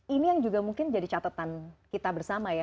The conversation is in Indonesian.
ini yang juga mungkin jadi catatan kita bersama ya